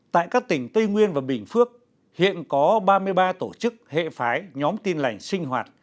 tại các tỉnh tây nguyên và bình phước hiện có ba mươi ba tổ chức hệ phái nhóm tin lành sinh hoạt